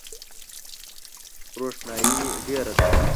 روښنایي ډېره ده .